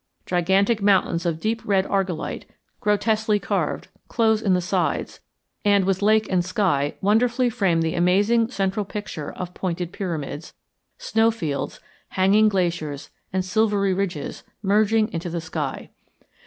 Gigantic mountains of deep red argillite, grotesquely carved, close in the sides, and with lake and sky wonderfully frame the amazing central picture of pointed pyramids, snow fields, hanging glaciers, and silvery ridges merging into sky.